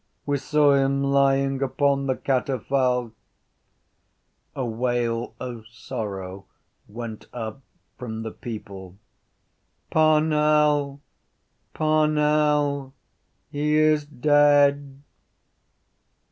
We saw him lying upon the catafalque. A wail of sorrow went up from the people. —Parnell! Parnell! He is dead!